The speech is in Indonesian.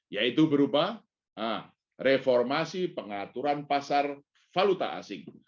yaitu berupa reformasi pengaturan pasar valuta asing